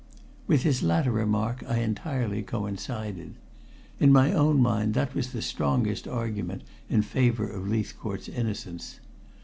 With his latter remark I entirely coincided. In my own mind that was the strongest argument in favor of Leithcourt's innocence.